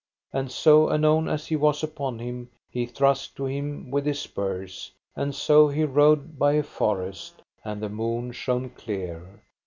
And so anon as he was upon him he thrust to him with his spurs, and so he rode by a forest, and the moon shone clear.